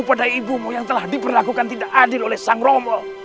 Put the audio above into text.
kepada ibumu yang telah diperlakukan tidak adil oleh sang romo